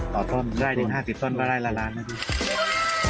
ต่อท่อนได้๑๕๐ต้นก็ได้ละ๑๐๐๐๐๐๐บาทนะครับ